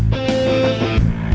saya akan menemukan mereka